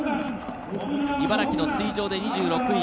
茨城の水城、２６位。